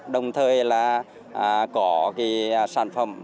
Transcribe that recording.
đồng thời là có sản phẩm